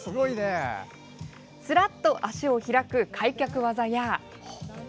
すらっと足を開く開脚技や。